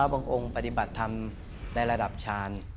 ถ้าพระบังองปฏิบัติธรรมในระดับชาญ